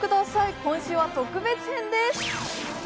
今週は特別編です。